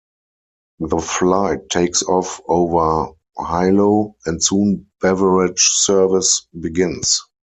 The flight takes off over Hilo, and soon beverage service begins.